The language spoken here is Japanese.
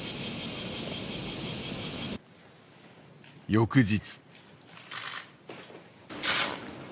翌日。